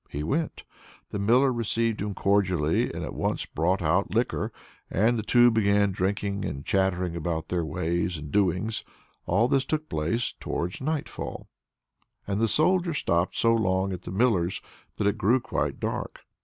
He went. The Miller received him cordially, and at once brought out liquor; and the two began drinking, and chattering about their ways and doings. All this took place towards nightfall, and the Soldier stopped so long at the Miller's that it grew quite dark.